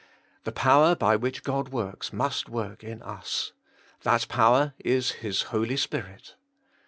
The power by which God works must work in us. That power is His Holy Spirit.